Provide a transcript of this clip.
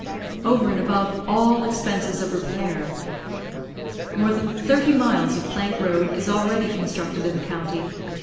over and above all expenses of repair. More than thirty miles of plank road is already constructed in the county.